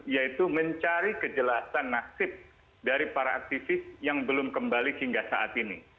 yaitu mencari kejelasan nasib dari para aktivis yang belum kembali hingga saat ini